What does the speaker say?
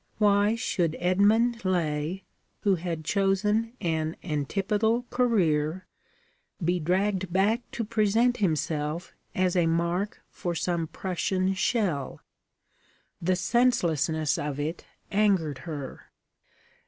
Why should Edmund Laye, who had chosen an antipodal career, be dragged back to present himself as a mark for some Prussian shell? The senselessness of it angered her.